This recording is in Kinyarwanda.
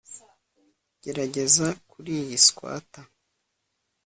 gerageza kuriyi swater